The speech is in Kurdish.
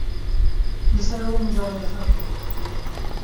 Li ser wê mijarê dixebitim.